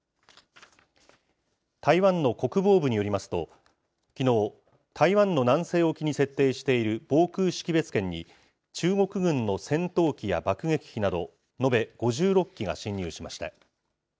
台湾の国防部によりますと、きのう、台湾の南西沖に設定している防空識別圏に、中国軍の戦闘機や爆撃機など、延べ５６機が進入しました。